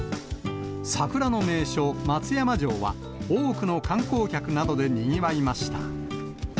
桜の名所、松山城は、多くの観光客などでにぎわいました。